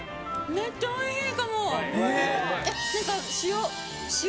めっちゃおいしい。